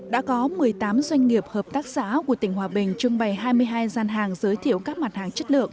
đã có một mươi tám doanh nghiệp hợp tác xã của tỉnh hòa bình trưng bày hai mươi hai gian hàng giới thiệu các mặt hàng chất lượng